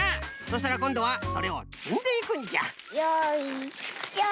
そしたらこんどはそれをつんでいくんじゃ。よいしょ。